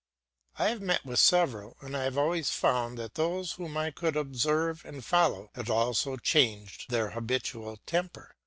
I have met with several, and I have always found that those whom I could observe and follow had also changed their habitual temper.